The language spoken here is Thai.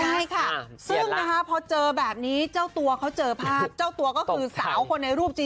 ใช่ค่ะซึ่งนะคะพอเจอแบบนี้เจ้าตัวเขาเจอภาพเจ้าตัวก็คือสาวคนในรูปจริง